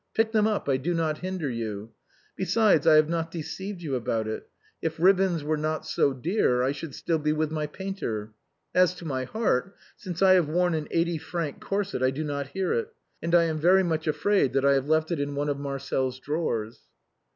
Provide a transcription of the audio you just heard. Pick them up, I do not hinder you. Besides, I have not deceived you about it; if ribbons were not so dear I should still be with my painter. As to my heart, since I have worn an eighty franc corset I do not hear it, and I am very much afraid that I have left it in one of Marcel's drawers."